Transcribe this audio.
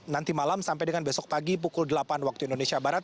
nanti malam sampai dengan besok pagi pukul delapan waktu indonesia barat